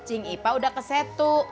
cing ipa udah ke situ